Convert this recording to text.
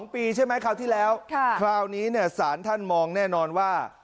๒ปีใช่ไหมคราวที่แล้วคราวนี้สารท่านมองแน่นอนว่า